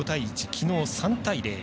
きのう３対０。